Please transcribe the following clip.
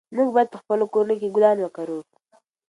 موږ باید په خپلو کورونو کې ګلان وکرلو.